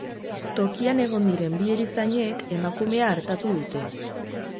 Tokian egon diren bi erizainek emakumea hartatu dute.